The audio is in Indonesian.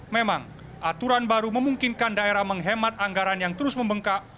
memang aturan baru memungkinkan daerah menghemat anggaran yang terus membengkak